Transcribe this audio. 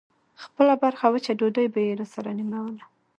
خپله برخه وچه ډوډۍ به يې راسره نيموله.